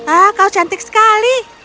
ah kau cantik sekali